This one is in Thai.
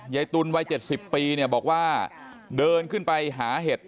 ตุลวัย๗๐ปีเนี่ยบอกว่าเดินขึ้นไปหาเห็ด